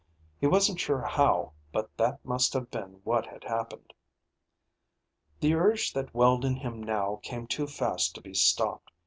He wasn't sure how, but that must have been what had happened. The urge that welled in him now came too fast to be stopped.